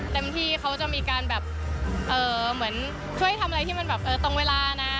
เต็มที่เขาจะมีการแบบเหมือนช่วยทำอะไรที่มันแบบตรงเวลานะ